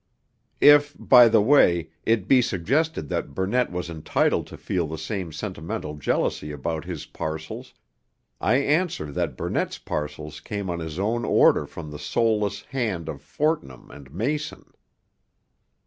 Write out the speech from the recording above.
If, by the way, it be suggested that Burnett was entitled to feel the same sentimental jealousy about his parcels, I answer that Burnett's parcels came on his own order from the soulless hand of Fortnum and Mason.